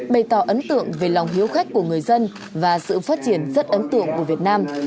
bày tỏ ấn tượng về lòng hiếu khách của người dân và sự phát triển rất ấn tượng của việt nam